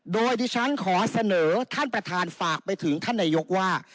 โดยดิฉันขอเสนอท่านประธานฝากไปถึงท่านนายกว่า